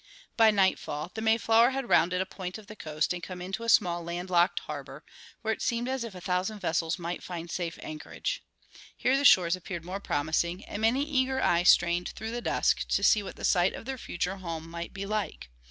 By nightfall the Mayflower had rounded a point of the coast and come into a small land locked harbor, where it seemed as if a thousand vessels might find safe anchorage. Here the shores appeared more promising, and many eager eyes strained through the dusk to see what the site of their future home might be like.